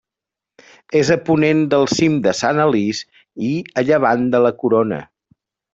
És a ponent del cim de Sant Alís i a llevant de la Corona.